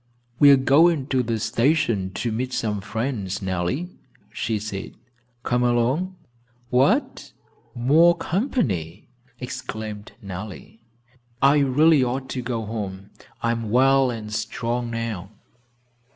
"We are going to the station to meet some friends, Nellie," she said. "Come along?" "What! More company?" exclaimed Nellie. "I really ought to go home. I am well and strong now."